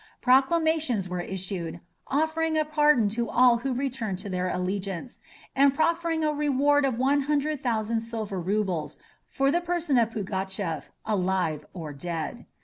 Proclamations were issued, offering a pardon to all who returned to their allegiance, and proffering a reward of one hundred thousand silver roubles for the person of Pugatchef, alive or dead.